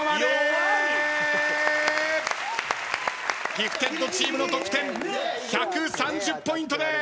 ギフテッドチームの得点１３０ポイントです！